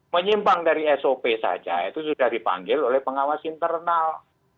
menyimpang dari sop saja itu sudah dipanggil oleh pengawas internal